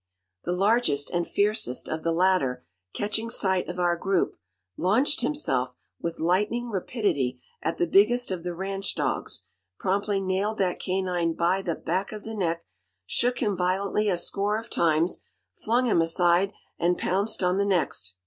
The largest and fiercest of the latter, catching sight of our group, launched himself with lightning rapidity at the biggest of the ranch dogs, promptly nailed that canine by the back of the neck, shook him violently a score of times, flung him aside, and pounced on the next.